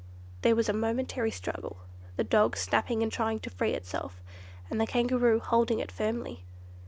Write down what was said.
There was a momentary struggle, the dog snapping and trying to free itself, and the Kangaroo holding it firmly.